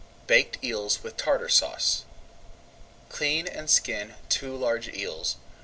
BAKED EELS WITH TARTAR SAUCE Clean and skin two large eels.